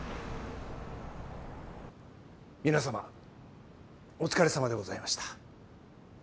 皆様お疲れ様でございました。